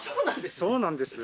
そうなんです。